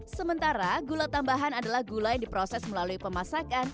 sementara gula tambahan adalah gula yang diproses melalui pemasakan